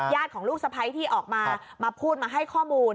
ของลูกสะพ้ายที่ออกมามาพูดมาให้ข้อมูล